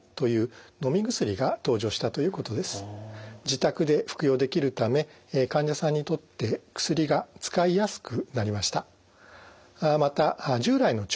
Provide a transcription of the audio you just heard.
自宅で服用できるため患者さんにとって薬が使いやすくなりました。